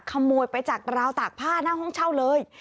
ขโมยไปจากราวตากผ้าหน้าห้องเช่าเลย